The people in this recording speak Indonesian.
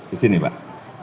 di sini pak